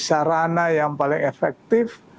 sarana yang paling efektif